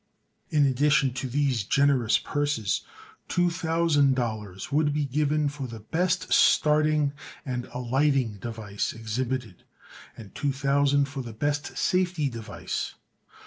In addition to these generous purses, two thousand dollars would be given for the best starting and alighting device exhibited and two thousand for the best safety device.